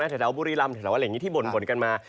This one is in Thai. เฉพาะบุรีรำเฉพาะอะไรอย่างนี้ที่บ่นกันมา